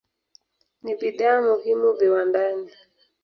Ni bidhaa muhimu viwandani.